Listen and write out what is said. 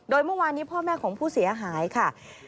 โดยเมื่อวานนี้พ่อแม่ของผู้เสียหายค่ะ